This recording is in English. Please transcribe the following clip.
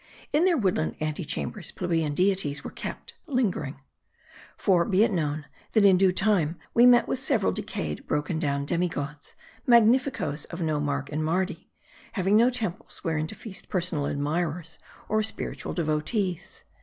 In their woodland ante chambers plebeian deities were kept lingering. For be it known, that in due time we met with several decayed, broken down demi gods : magnificos of no mark in Mardi ; having no temples where in to feast personal admirers, or spiritual devotees.